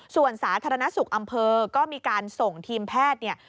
ส่วนสาธารณสุขอำเภอก็มีการส่งทีมแพทย์เนี่ย